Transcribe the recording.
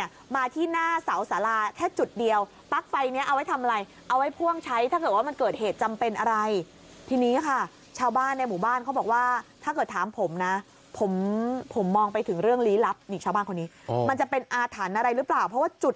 ยังเดินไฟไม่เสร็จไหมใช่หลือแค่เดินไฟยังเดินไฟไม่เสร็จ